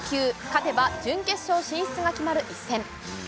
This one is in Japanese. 勝てば準決勝進出が決まる一戦。